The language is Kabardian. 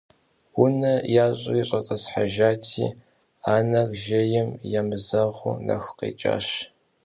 УнэщӀэ ящӀри щӀэтӀысхьэжати, анэр жейм емызэгъыу нэху къекӀащ.